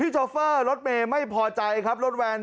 โชเฟอร์รถเมย์ไม่พอใจครับรถแวน